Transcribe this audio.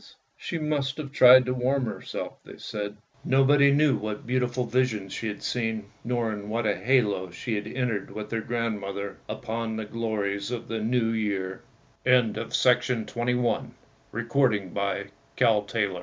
She must have tried to warm herself, they said. Nobody knew what beautiful visions she had seen, nor in what a halo she had entered with her grandmother upon the glories of the New Year! yA^ fe£^ ^/ v&W y~gfr y y^W G ^Kr^£M^ Uj^S^to ^K^e^.